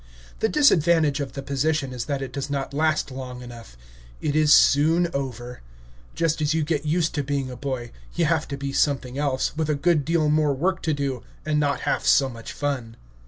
The disadvantage of the position is that it does not last long enough; it is soon over; just as you get used to being a boy, you have to be something else, with a good deal more work to do and not half so much fun.